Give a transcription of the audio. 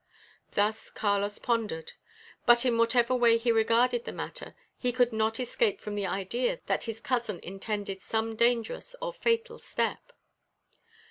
Thus Carlos pondered; but in whatever way he regarded the matter, he could not escape from the idea that his cousin intended some dangerous or fatal step.